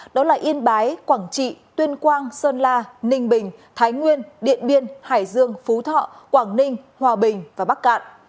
đó là yên bái quảng trị tuyên quang sơn la ninh bình thái nguyên điện biên hải dương phú thọ quảng ninh hòa bình và bắc cạn